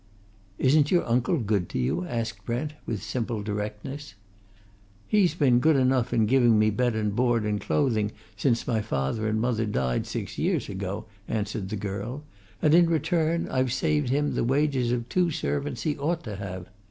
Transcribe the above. "Isn't your uncle good to you?" asked Brent with simple directness. "He's been good enough in giving me bed and board and clothing since my father and mother died six years ago," answered the girl, "and in return I've saved him the wages of the two servants he ought to have.